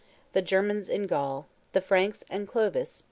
THE GERMANS IN GAUL. THE FRANKS AND CLOVIS.